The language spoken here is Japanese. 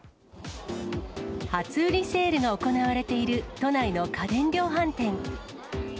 初売りセールが行われている都内の家電量販店。